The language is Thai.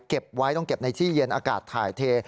เก็บไว้ต้องเก็บในที่เย็นอากาศถ่ายเท